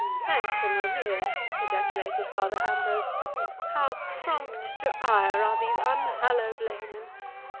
"'Sancta Maria!'" ejaculated Father Ambrose, "how prompt to ire are these unhallowed laymen!